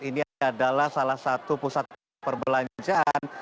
ini adalah salah satu pusat perbelanjaan